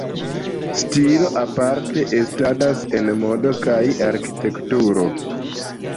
Stilo aparte estadas en modo kaj arkitekturo.